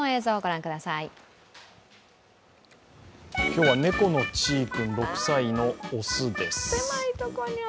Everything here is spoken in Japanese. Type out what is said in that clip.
今日は猫のちー君６歳の雄です。